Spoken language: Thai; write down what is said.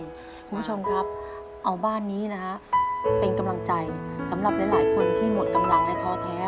คุณผู้ชมครับเอาบ้านนี้นะฮะเป็นกำลังใจสำหรับหลายคนที่หมดกำลังและท้อแท้